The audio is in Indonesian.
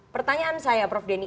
pertanyaan saya prof denny